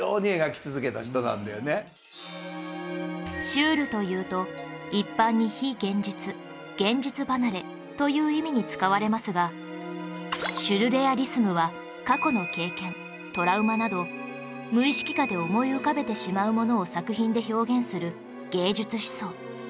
シュールというと一般に非現実現実離れという意味に使われますがシュルレアリスムは過去の経験トラウマなど無意識下で思い浮かべてしまうものを作品で表現する芸術思想